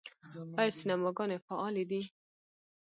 آیا سینماګانې فعالې دي؟